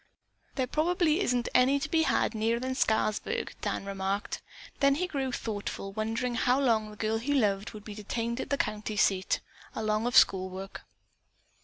"There probably isn't any to be had nearer than Scarsburg," Dan remarked. Then he grew thoughtful, wondering how long the girl he loved would be detained at the county seat, "along of school work."